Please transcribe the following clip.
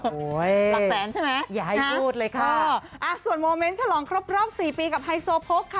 หลักแสนใช่ไหมนะโอ้โฮส่วนโมเม้นท์ฉลองครบ๔ปีกับไฮโซโพคค่ะ